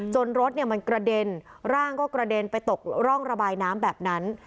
รถมันกระเด็นร่างก็กระเด็นไปตกร่องระบายน้ำแบบนั้น